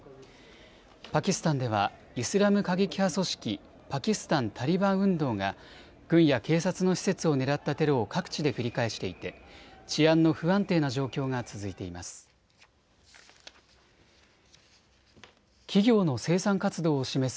パキスタンではイスラム過激派組織、パキスタン・タリバン運動が軍や警察の施設を狙ったテロを各地で繰り返していて治安の不安定な状況が続いています。